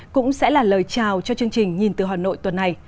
cũng sẽ là lời chào cho chương trình nhìn từ hà nội tuần này